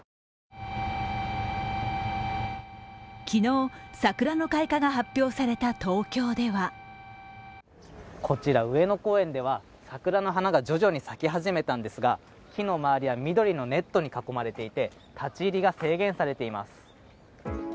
昨日、桜の開花が発表された東京ではこちら上野公園では桜の花が徐々に咲き始めたんですが、木の周りは緑のネットに囲まれていて、立ち入りが制限されています。